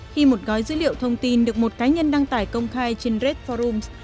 khi một gói dữ liệu thông tin được một cá nhân đăng tải công khai trên redforums